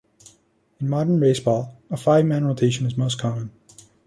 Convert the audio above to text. In modern baseball, a five-man rotation is most common.